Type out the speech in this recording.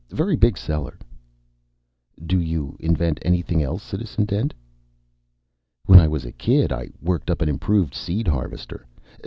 Very big seller." "Do you invent anything else, Citizen Dent?" "When I was a kid, I worked up an improved seeder harvester.